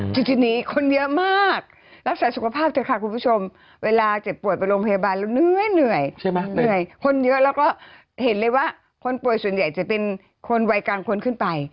ทีนี้คนเยอะมากรักษาสุขภาพเถอะค่ะคุณผู้ชมเวลาเจ็บป่วยไปโรงพยาบาลแล้วเหนื่อยใช่ไหมเหนื่อยคนเยอะแล้วก็เห็นเลยว่าคนป่วยส่วนใหญ่จะเป็นคนวัยกลางคนขึ้นไป